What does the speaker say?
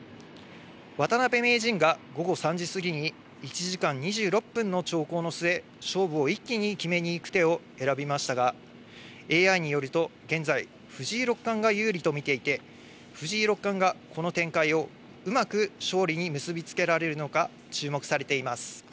渡辺名人が午後３時過ぎに１時間２６分の長考の末、勝負を一気に決めにいく手を選びましたが、ＡＩによると、現在、藤井六冠が有利と見ていて、藤井六冠がこの展開をうまく勝利に結び付けられるのか、注目されています。